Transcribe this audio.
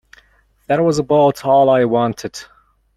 That was about all I wanted.